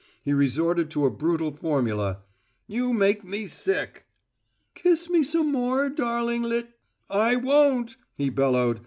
He resorted to a brutal formula: "You make me sick!" "Kiss me some more, darling lit " "I won't!" he bellowed.